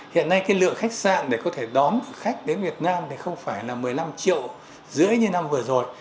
hiện nay lượng khách sạn để có thể đón được khách đến việt nam không phải là một mươi năm triệu rưỡi như năm vừa rồi